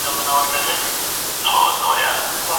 که څوک پوښتنه وکړي دا تعليم ژوروي.